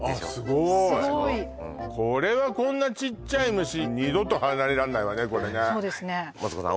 すごーいこれはこんなちっちゃい虫二度と離れらんないわねマツコさん